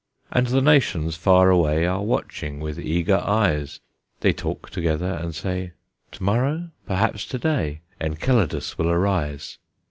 And the nations far away Are watching with eager eyes; They talk together and say, "To morrow, perhaps to day, Enceladus will arise!"